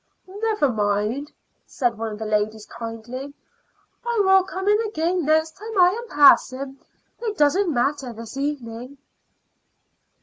"Never mind," said one of the ladies, kindly; "I will come in again next time I am passing. It doesn't matter this evening."